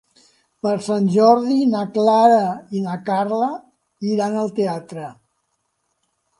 Per Sant Jordi na Clara i na Carla iran al teatre.